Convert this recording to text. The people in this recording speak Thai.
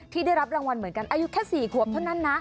ได้รับรางวัลเหมือนกันอายุแค่๔ขวบเท่านั้นนะ